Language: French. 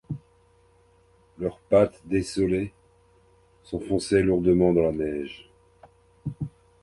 Leurs pattes dessolées s’enfonçaient lourdement dans la neige.